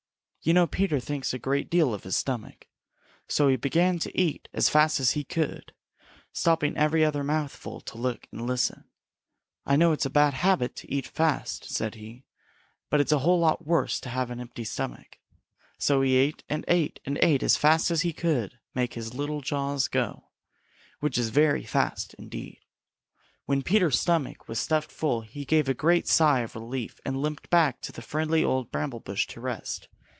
You know Peter thinks a great deal of his stomach. So he began to eat as fast as he could, stopping every other mouthful to look and listen. "I know it's a bad habit to eat fast," said he, "but it's a whole lot worse to have an empty stomach." So he ate and ate and ate as fast as he could make his little jaws go, which is very fast indeed. When Peter's stomach was stuffed full he gave a great sigh of relief and limped back to the friendly old bramble bush to rest.